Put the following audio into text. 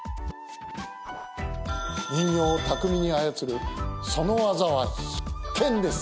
人形を巧みに操るその技は必見です。